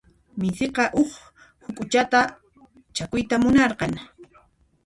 Misiqa huk huk'uchata chakuyta munarqan.